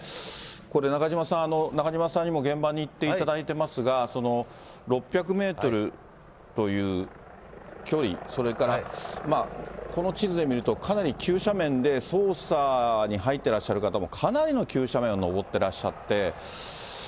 これ、中島さん、中島さんにも現場に行ってもらっていますが、６００メートルという距離、それから、この地図で見ると、かなり急斜面で、捜査に入ってらっしゃる方もかなりの急斜面を登ってらっしゃって。